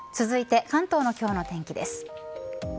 続いて関東の今日の天気です。